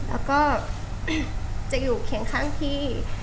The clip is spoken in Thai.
แล้วก็จะอยู่เคียงข้างพี่